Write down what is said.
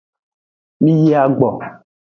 Mi yi agbo.